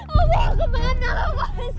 apa kemana apa sih